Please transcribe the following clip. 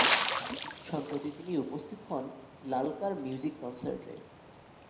সম্প্রতি তিনি উপস্থিত হন লালকার মিউজিক কনসার্টে।